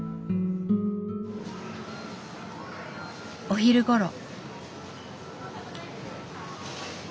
お昼ごろ。